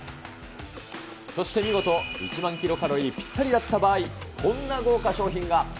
そして見事、１万キロカロリーぴったりだった場合、こんな豪華賞品が。